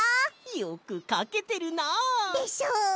よくかけてるな。でしょ！